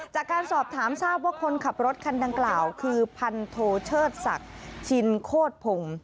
จากการสอบถามทราบว่าคนขับรถคันดังกล่าวคือพันโทเชิดศักดิ์ชินโคตรพงศ์